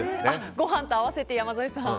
ご飯と合わせて山添さん。